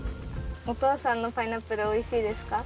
おとうさんのパイナップルおいしいですか？